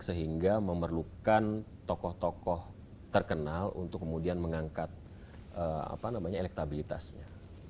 sehingga memerlukan tokoh tokoh terkenal untuk kemudian mengangkat elektabilitasnya